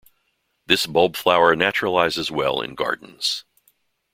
This bulbflower naturalizes well in gardens.